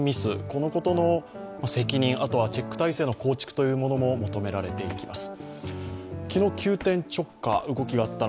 このことの責任、あとはチェック体制の構築も求められていきます。